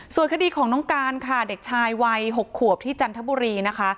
ส่วนคดีของน้องการค่ะเด็กชายวัย๖ขวบที่จันทบุรีนะคะ